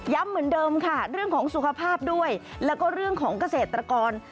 เหมือนเดิมค่ะเรื่องของสุขภาพด้วยแล้วก็เรื่องของเกษตรกร